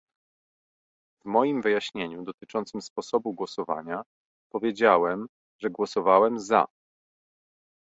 W moim wyjaśnieniu dotyczącym sposobu głosowania powiedziałem, że głosowałem za